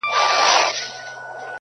تا څه کول جانانه چي راغلی وې وه کور ته.